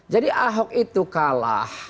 jadi ahok itu kalah